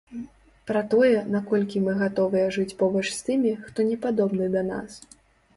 Пра тое, наколькі мы гатовыя жыць побач з тымі, хто не падобны да нас.